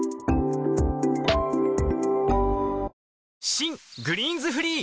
新「グリーンズフリー」